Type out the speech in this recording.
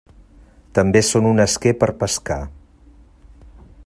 També són un esquer per a pescar.